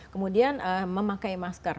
kemudian memakai masker